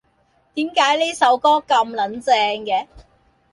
點解呢首歌咁撚正嘅？